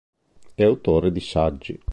È autore di saggi.